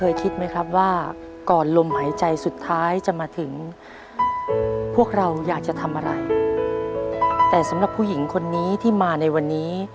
อยากจะทำอะไรแต่สำหรับผู้หญิงคนนี้ที่มาในวันนี้